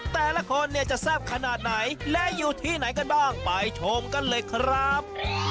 แต่ละคนเนี่ยจะแซ่บขนาดไหนและอยู่ที่ไหนกันบ้างไปชมกันเลยครับ